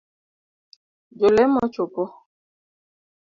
Jo lemo chopo